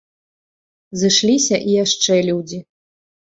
Зышліся і яшчэ людзі.